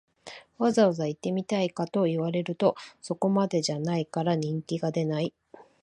わざわざ行ってみたいかと言われると、そこまでじゃないから人気が出ない